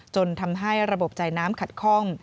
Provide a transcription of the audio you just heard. จนทำให้ระบบจ่ายน้ำขัดคล่อง